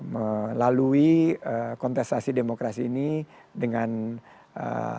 melalui kontestasi demokrasi ini dengan ee